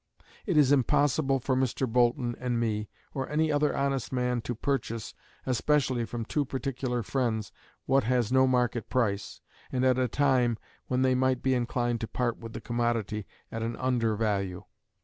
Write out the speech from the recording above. "It is impossible for Mr. Boulton and me, or any other honest man, to purchase, especially from two particular friends, what has no market price, and at a time when they might be inclined to part with the commodity at an under value."